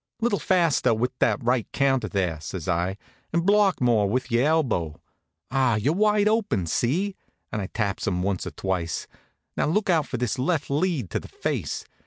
"Little faster with that right counter there," says I. "And block more with your elbow. Ah, you're wide open see?" and I taps him once or twice. "Now look out for this left lead to the face.